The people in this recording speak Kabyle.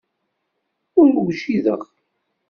Ur wjideɣ.